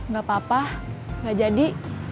gak apa apa gak jadi